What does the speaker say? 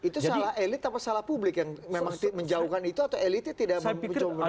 itu salah elit apa salah publik yang memang menjauhkan itu atau elitnya tidak mencoba menanggung